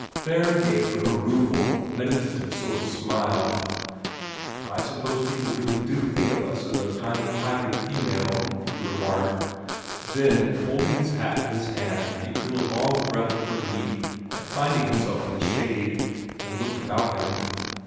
Theron gave her a rueful, meditative sort of smile. "I suppose people really do think of us as a kind of hybrid female," he remarked. Then, holding his hat in his hand, he drew a long breath of relief at finding himself in the shade, and looked about him.